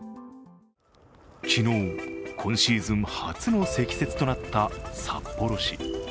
昨日、今シーズン初の積雪となった札幌市。